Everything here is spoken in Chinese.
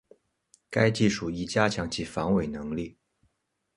该技术亦加强其防伪能力。